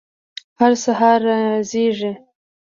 هر سهار را زیږي